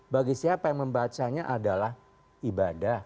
bagi siapa yang membacanya adalah ibadah